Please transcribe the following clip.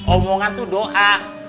omongan tuh doa